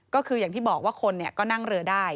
ก็คืออย่างที่บอกว่าคนก็นั่งเรือได้